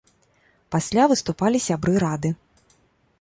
Пасля выступалі сябры рады.